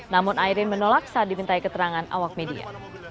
namun ayrin menolak saat diminta keterangan awak media